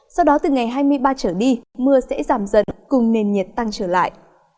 sau đó từ ngày hai mươi ba trở đi mưa sẽ giảm dần cùng nền nhiệt tăng trở lại